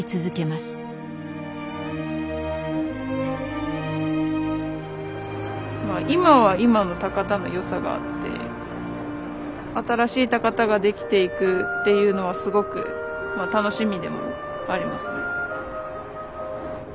まあ今は今の高田の良さがあって新しい高田ができていくっていうのはすごくまあ楽しみでもありますね。